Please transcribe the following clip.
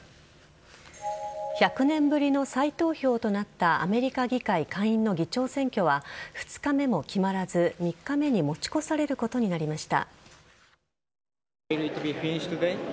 １００年ぶりの再投票となったアメリカ議会下院の議長選挙は２日目も決まらず、３日目に持ち越されることになりました。